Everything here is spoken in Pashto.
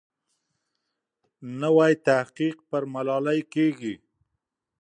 نوی تحقیق پر ملالۍ کېږي.